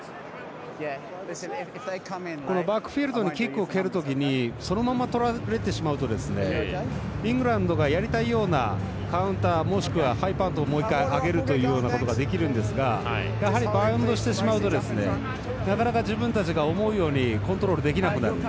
バックフィールドにキックを蹴る時にそのままとられてしまうとイングランドが、やりたいようなカウンター、もしくはハイパントをもう１回上げるというようなことができるんですがバウンドしてしまうとなかなか、自分たちが思うようなコントロールできなくなる。